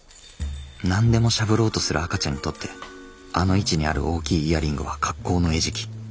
何でもしゃぶろうとする赤ちゃんにとってあの位置にある大きいイヤリングは格好の餌食。